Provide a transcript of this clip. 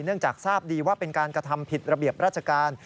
จากทราบดีว่าเป็นการกระทำผิดระเบียบราชการ